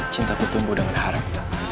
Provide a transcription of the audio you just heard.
cinta gue tumbuh dengan harap